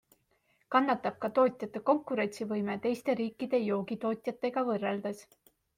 Kannatab ka tootjate konkurentsivõime teiste riikide joogitootjatega võrreldes.